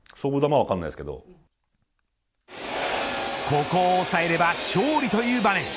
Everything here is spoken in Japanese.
ここを抑えれば勝利という場面。